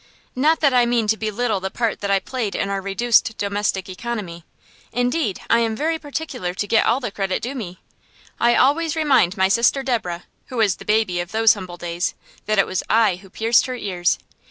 Not that I mean to belittle the part that I played in our reduced domestic economy. Indeed, I am very particular to get all the credit due me. I always remind my sister Deborah, who was the baby of those humble days, that it was I who pierced her ears.